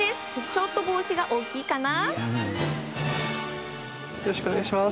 ちょっと帽子が大きいかな。